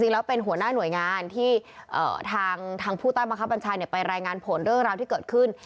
แล้วเป็นหัวหน้าหน่วยงานที่ทางผู้ใต้บังคับบัญชาไปรายงานผลเรื่องราวที่เกิดขึ้น